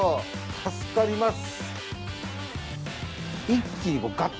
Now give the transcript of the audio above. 助かります。